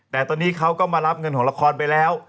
แต่ตอนนี้เขาก็มารับเงินของละครไปแล้ว